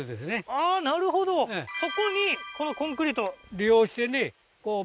ああーなるほどそこにこのコンクリート利用してねあっええー！